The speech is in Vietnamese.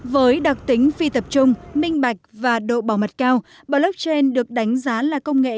với đặc tính phi tập trung minh bạch và độ bảo mật cao blockchain được đánh giá là công nghệ